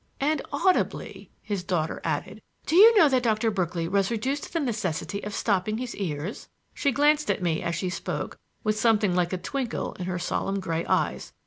"And audibly," his daughter added. "Do you know that Doctor Berkeley was reduced to the necessity of stopping his ears?" She glanced at me as she spoke, with something like a twinkle in her solemn gray eyes.